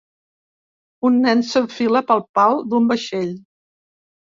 Un nen s'enfila pel pal d'un vaixell.